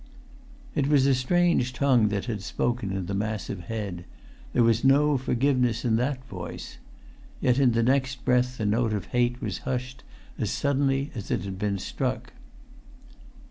It was a strange tongue that had spoken in the massive head; there was no forgiveness in that voice. Yet in the next breath the note of hate was hushed as suddenly as it had been struck.